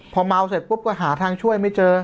พอเมาเสร็จปุ๊บก็หาทางช่วยไม่เจอ